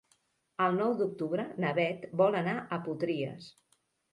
El nou d'octubre na Beth vol anar a Potries.